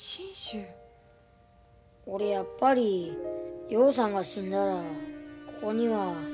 俺やっぱり陽さんが死んだらここには。